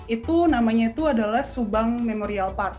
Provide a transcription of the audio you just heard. itu namanya itu adalah subang memorial park